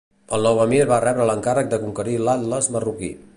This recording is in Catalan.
El nou emir va rebre l'encàrrec de conquerir l'Atles marroquí.